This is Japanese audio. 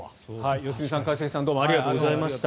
良純さん、一茂さんどうもありがとうございました。